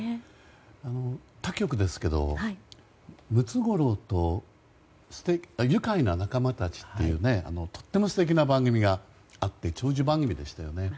他局ですけど、「ムツゴロウとゆかいな仲間たち」というとっても素敵な番組があって長寿番組でしたよね。